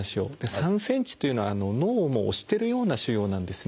３ｃｍというのは脳をもう押してるような腫瘍なんですね。